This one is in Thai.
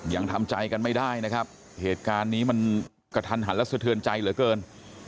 ยังทำใจกันไม่ได้นะครับเหตุการณ์นี้มันกระทันหันและสะเทือนใจเหลือเกิน